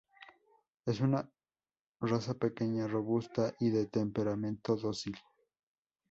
Es una raza pequeña, robusta y de temperamento dócil.